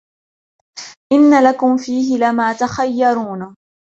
إِنَّ لَكُمْ فِيهِ لَمَا تَخَيَّرُونَ